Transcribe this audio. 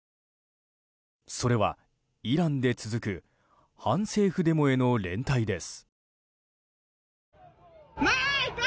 それは、イランで続く反政府デモへの連帯です。